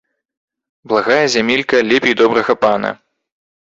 Благая зямелька лепей добрага пана